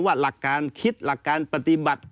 หลักการคิดหลักการปฏิบัติ